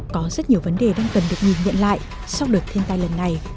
có rất nhiều vấn đề đang cần được nhìn nhận lại sau đợt thiên tai lần này